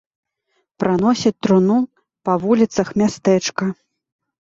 Праносяць труну па вуліцах мястэчка.